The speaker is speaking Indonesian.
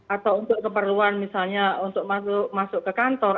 atau untuk keperluan misalnya untuk masuk ke kantor